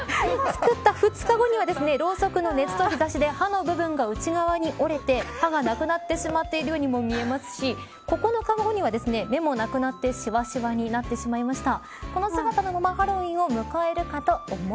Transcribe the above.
作った２日後にはろうそくの熱で歯の部分が内側に落ちて歯がなくなってしまっているようにも見えますし９日の方には、目もなくなってしわしわになってしまいました。